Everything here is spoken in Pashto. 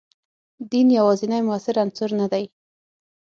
دین یوازینی موثر عنصر نه دی.